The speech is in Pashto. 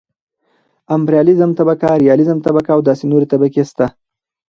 امپرياليزم طبقه ،رياليزم طبقه او داسې نورې طبقې شته .